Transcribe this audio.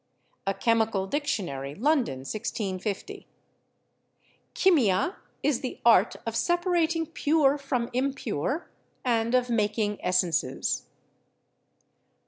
A Chymical Dictionary, London, 1650. "Chimia is the art of separating pure from impure and of making essences."